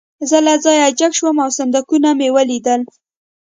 زه له ځایه جګ شوم او صندوقونه مې ولیدل